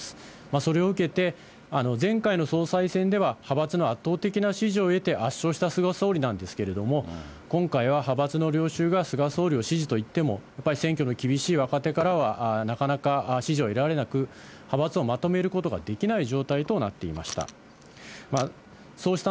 それを受けて、前回の総裁選では、派閥の圧倒的な支持を得て圧勝した菅総理なんですけれども、今回は派閥の領袖が菅総理を支持といっても、やっぱり選挙の厳しい若手からは、なかなか支持を得られなく、派閥をまとめることができない状態となっていました。